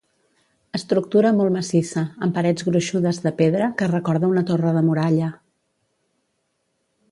Estructura molt massissa, amb parets gruixudes de pedra, que recorda una torre de muralla.